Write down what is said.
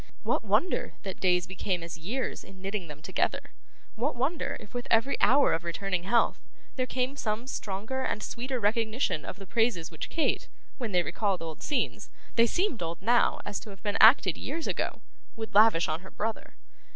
What wonder that days became as years in knitting them together! What wonder, if with every hour of returning health, there came some stronger and sweeter recognition of the praises which Kate, when they recalled old scenes they seemed old now, and to have been acted years ago would lavish on her brother!